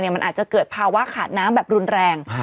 มันอาจจะเกิดภาวะขาดน้ำแบบรุนแรง